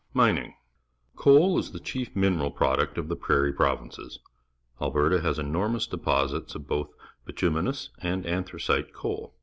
Mining. —( 'oal is the chief mineral pro duct of the Prairie Pro\'inces. Alberta ha s enormous deposits of both bit uminous and, anthracite coa l.